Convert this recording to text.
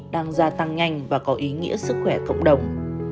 đang gia tăng nhanh và có ý nghĩa sức khỏe cộng đồng